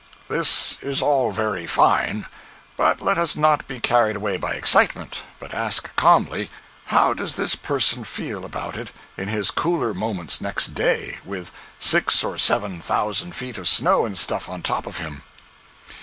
073.jpg (48K) This is all very fine, but let us not be carried away by excitement, but ask calmly, how does this person feel about it in his cooler moments next day, with six or seven thousand feet of snow and stuff on top of him?